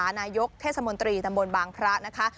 อันนายกทรตำบลบางพระนะคะ